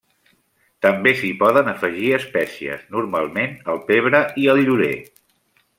També s'hi poden afegir espècies, normalment el pebre i el llorer.